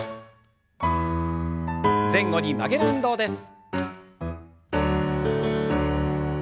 前後に曲げる運動です。